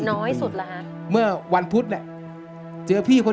รายการต่อไปนี้เป็นรายการทั่วไปสามารถรับชมได้ทุกวัย